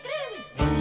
「どっち」